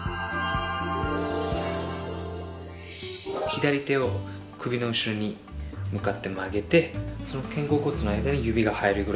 左手を首の後ろに向かって曲げてその肩甲骨の間に指が入るぐらい。